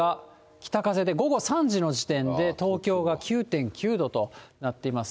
北風で午後３時の時点で東京が９．９度となっています。